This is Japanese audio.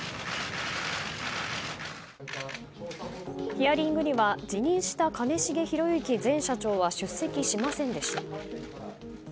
ヒアリングには辞任した兼重宏行前社長は出席しませんでした。